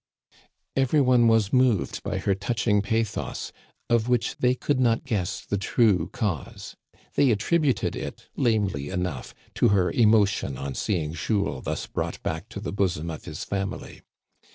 Every one was moved by her touching pathos, of which they could not guess the true cause. They at tributed it, lamely enough, to her emotion on seeing Jules thus brought back to the bosom of his family.